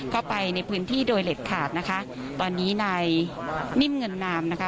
เข้าไปในพื้นที่โดยเด็ดขาดนะคะตอนนี้นายนิ่มเงินนามนะคะ